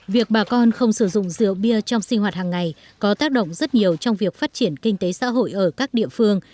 việc bà con không sử dụng rượu bia trong sinh hoạt hàng ngày có tác động rất nhiều trong việc phát triển kinh tế xã hội ở các địa phương